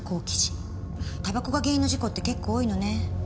煙草が原因の事故って結構多いのね。